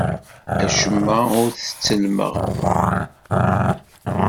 Acemma ur t-ttellmeɣ.